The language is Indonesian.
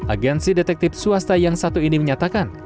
agensi detektif swasta yang satu ini menyatakan